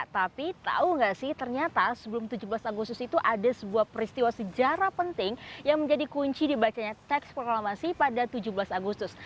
tapi tahu nggak sih ternyata sebelum tujuh belas agustus itu ada sebuah peristiwa sejarah penting yang menjadi kunci dibacanya teks proklamasi pada tujuh belas agustus